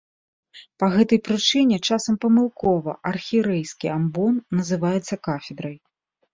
Па гэтай прычыне часам памылкова архірэйскі амбон называецца кафедрай.